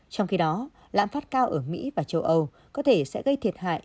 trong khi đó lãm phát cao ở mỹ và châu âu có thể sẽ gây thiệt hại